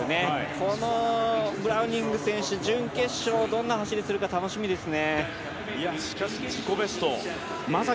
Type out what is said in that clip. このブラウニング選手、準決勝どんな走りをするか楽しみですね。